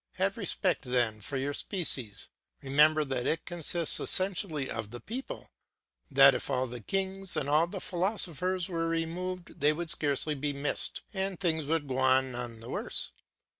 Have respect then for your species; remember that it consists essentially of the people, that if all the kings and all the philosophers were removed they would scarcely be missed, and things would go on none the worse.